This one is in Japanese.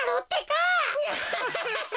アハハハハ。